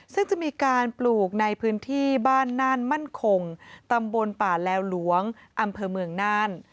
ซึ่งจะมีการปลูกในพื้นที่บ้านน่านมั่นคงตำบลป่าแลวหลวงอำเภอเมืองน่าน